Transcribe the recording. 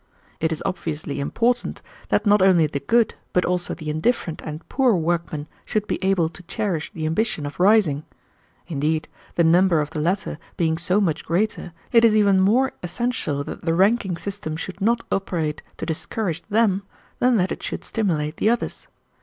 "It is obviously important that not only the good but also the indifferent and poor workmen should be able to cherish the ambition of rising. Indeed, the number of the latter being so much greater, it is even more essential that the ranking system should not operate to discourage them than that it should stimulate the others.